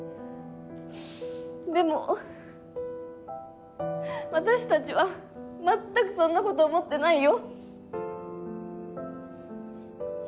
でも私たちは全くそんなこと思ってないよ。